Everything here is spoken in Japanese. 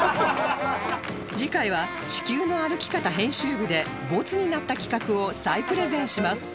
次回は『地球の歩き方』編集部でボツになった企画を再プレゼンします